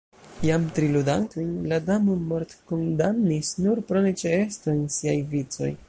Jam tri ludantojn la Damo mortkondamnis nur pro neĉeesto en siaj vicoj.